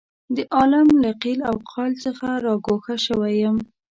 د عالم له قیل او قال څخه را ګوښه شوی یم.